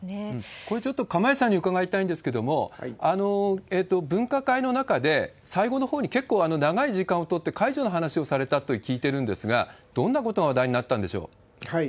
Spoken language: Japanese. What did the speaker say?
これちょっと釜萢さんに伺いたいんですけれども、分科会の中で、最後のほうに結構長い時間を取って解除の話をされたって聞いてるんですが、どんなことが話題になったんでしょう？